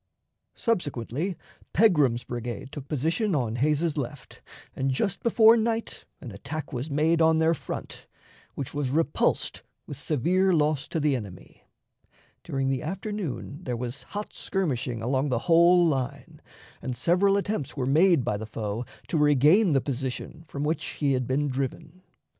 Subsequently, Pegram's brigade took position on Hays's left, and just before night an attack was made on their front, which was repulsed with severe loss to the enemy. During the afternoon there was hot skirmishing along the whole line, and several attempts were made by the foe to regain the position from which he had been driven.